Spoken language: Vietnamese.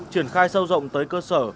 triển khai sâu rộng tới cơ sở